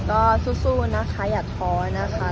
ก็สู้นะคะอย่าท้อนะคะ